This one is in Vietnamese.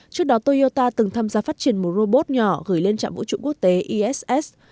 trước đó toyota từng tham gia phát triển một robot nhỏ gửi lên trạm vũ trụ quốc tế iss